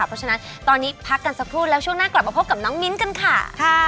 เพราะฉะนั้นตอนนี้พักกันสักครู่แล้วช่วงหน้ากลับมาพบกับน้องมิ้นกันค่ะ